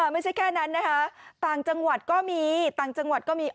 ไม่ใช่แค่นั้นนะคะต่างจังหวัดก็มีต่างจังหวัดก็มี